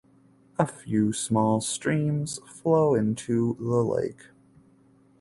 A few small streams flow into the lake.